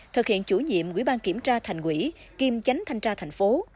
thực hiện chủ nhiệm quỹ ban kiểm tra thành quỹ kiêm chánh thanh tra thành phố